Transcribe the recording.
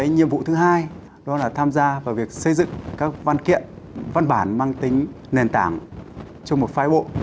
nhiệm vụ thứ hai đó là tham gia vào việc xây dựng các văn kiện văn bản mang tính nền tảng cho một phái bộ